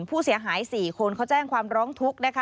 ผู้เสียหาย๔คนเขาแจ้งความร้องทุกข์นะคะ